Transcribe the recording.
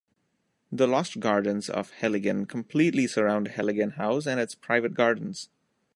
The Lost Gardens of Heligan completely surround Heligan House and its private gardens.